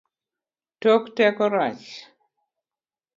Tok teko rach